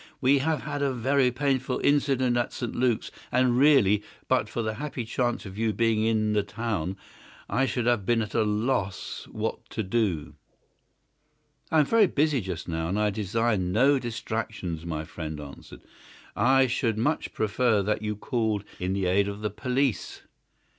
We have had a very painful incident at St. Luke's, and really, but for the happy chance of your being in the town, I should have been at a loss what to do." "I am very busy just now, and I desire no distractions," my friend answered. "I should much prefer that you called in the aid of the police."